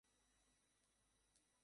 যদি ওদের না দেই, আমাকে বকা দিবে।